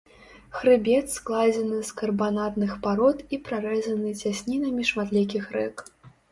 Хрыбет складзены з карбанатных парод і прарэзаны цяснінамі шматлікіх рэк.